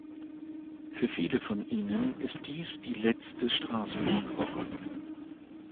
Für viele von Ihnen ist dies die letzte Straßburg-Woche.